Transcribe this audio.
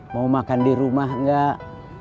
mau makan di rumah nggak